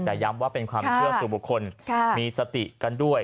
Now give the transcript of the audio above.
แต่ย้ำว่าเป็นความเชื่อสู่บุคคลมีสติกันด้วย